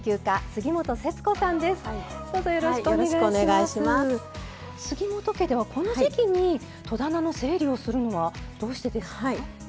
杉本家ではこの時期に戸棚の整理をするのはどうしてですか？